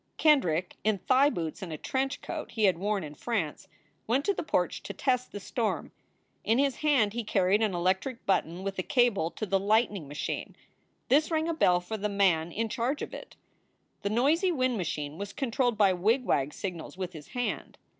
Kendrick, in thigh boots and a trench coat he had worn in France, went to the porch to test the storm. In his hand he carried an electric button with a cable to the lightning machine. This rang a bell for the man in charge of it. The noisy wind machine was controlled by wigwag signals with his hand.